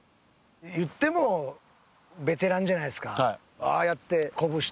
言ってもベテランじゃないですか。